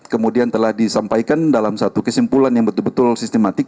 kemudian telah disampaikan dalam satu kesimpulan yang betul betul sistematik